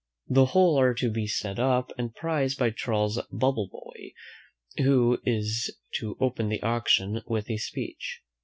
The whole are to be set up and prized by Charles Bubbleboy, who is to open the auction with a speech.